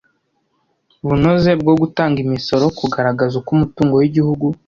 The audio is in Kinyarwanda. bunoze bwo gutanga imisoro, kugaragaza uko umutungo w'igihugu